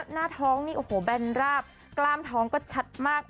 หน้าท้องนี่โอ้โหแบนราบกล้ามท้องก็ชัดมาก